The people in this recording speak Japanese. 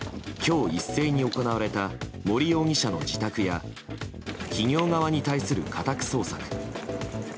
今日一斉に行われた森容疑者の自宅や企業側に対する家宅捜索。